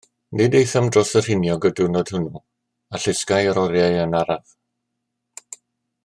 Nid aethom dros y rhiniog y diwrnod hwnnw, a llusgai yr oriau yn araf.